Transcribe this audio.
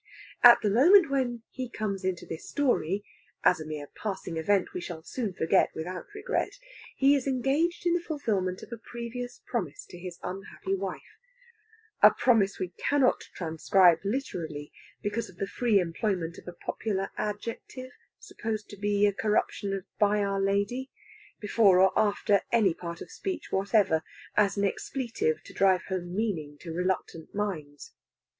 At the moment when he comes into this story (as a mere passing event we shall soon forget without regret) he is engaged in the fulfilment of a previous promise to his unhappy wife a promise we cannot transcribe literally, because of the free employment of a popular adjective (supposed to be a corruption of "by Our Lady") before or after any part of speech whatever, as an expletive to drive home meaning to reluctant minds.